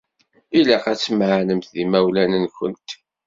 Ilaq ad tmeɛnemt d yimawlan-nkent.